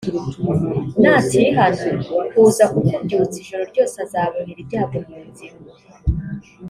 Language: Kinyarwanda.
Natihana kuza kukubyutsa ijoro ryose azabonera ibyago mu nzira